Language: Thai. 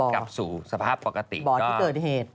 กลับสู่สภาพปกติบ่อที่เกิดเหตุ